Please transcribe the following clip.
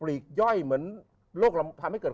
ที่จะเป็นปริหย่อย